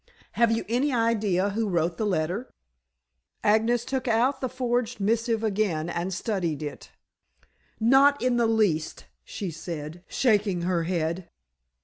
Have you any idea who wrote the letter?" Agnes took out the forged missive again and studied it. "Not in the least," she said, shaking her head.